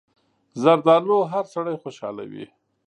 زردالو هر سړی خوشحالوي.